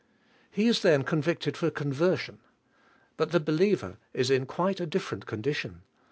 He is then convicted for conversion. But the believer is in quite a different condition.